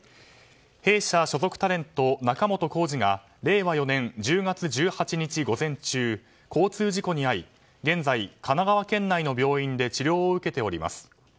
弊社所属タレント、仲本工事が令和４年１０月１８日午前中交通事故に遭い現在、神奈川県内の病院で治療を受けております。